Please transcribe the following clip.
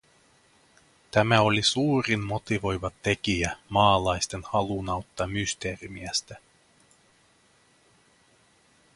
Tämä oli suurin motivoiva tekijä maalaisten haluun auttaa Mysteerimiestä.